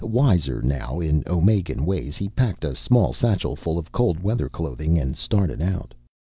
Wiser now in Omegan ways, he packed a small satchel full of cold weather clothing, and started out.